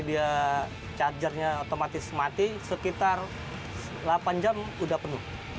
dia chargernya otomatis mati sekitar delapan jam sudah penuh